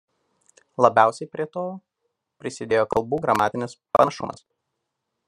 Labiausiai prie to prisidėjo kalbų gramatinis panašumas.